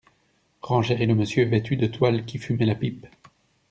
Renchérit le monsieur vêtu de toile qui fumait la pipe.